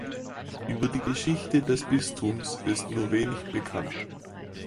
Über die Geschichte des Bistums ist nur wenig bekannt.